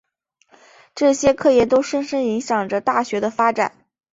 这些科研都深深影响着大学的发展。